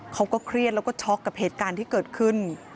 เขาก็เครียดแล้วก็ช็อกกับเหตุการณ์ที่เกิดขึ้น